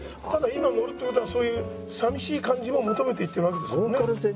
ただ今乗るっていうことはそういうさみしい感じも求めて行ってるわけですもんね。